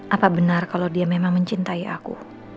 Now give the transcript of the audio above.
apa benar kalau dia memang mencintai aku